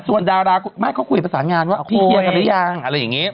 ส่วนดาราไม่เขาคุยประสานงานว่าพี่เคยอะไรอย่างอะไรอย่างงี้